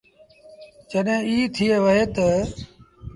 جڏهيݩٚ ايٚ ٿئي وهي تا